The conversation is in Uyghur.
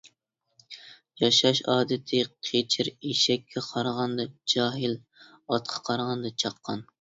ياشاش ئادىتى قېچىر ئېشەككە قارىغاندا جاھىل، ئاتقا قارىغاندا چاققان.